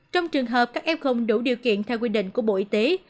trong trường hợp các f đủ điều kiện theo quy định của bộ y tế